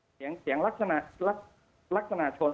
เสียงลักษณะชน